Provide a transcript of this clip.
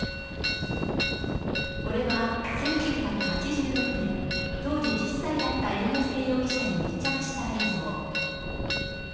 これは１９８６年、当時１０歳だった猿之助容疑者に密着した映像。